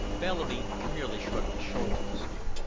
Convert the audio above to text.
Bellamy merely shrugged his shoulders.